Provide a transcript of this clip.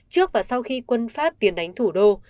trước và sau khi quân pháp tiến đánh thủ đô